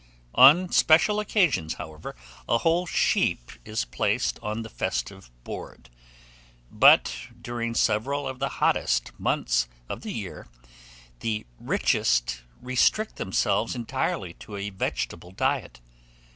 On special occasions, however, a whole sheep is placed on the festive board; but during several of the hottest months of the year, the richest restrict themselves entirely to a vegetable diet.